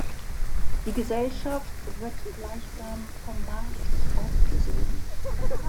Die Gesellschaft wird gleichsam vom Markt aufgesogen.